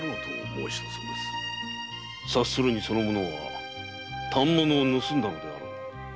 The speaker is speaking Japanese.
察するにその者は反物を盗んだのであろう。